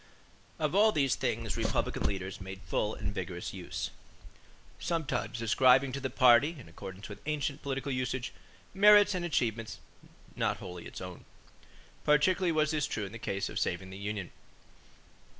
Of all these things Republican leaders made full and vigorous use, sometimes ascribing to the party, in accordance with ancient political usage, merits and achievements not wholly its own. Particularly was this true in the case of saving the union.